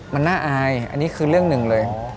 มันน่าอายอันนี้คือเรื่องหนึ่งเลย